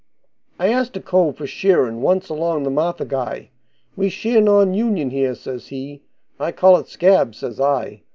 I asked a cove for shearin' once along the Marthaguy: 'We shear non union here,' says he. 'I call it scab,' says I.